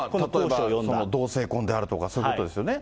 例えば同性婚であるとか、そういうことですよね。